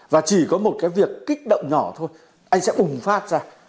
và chỉ có một cái việc kích động nhỏ thôi anh sẽ ủng phát ra